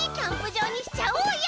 じょうにしちゃおうよ！